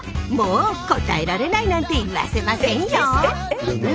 もう答えられないなんて言わせませんよ！？